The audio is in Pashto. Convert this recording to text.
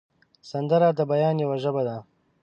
سندره د بیان یوه ژبه ده